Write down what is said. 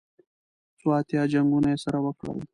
څو اتیا جنګونه یې سره وکړل.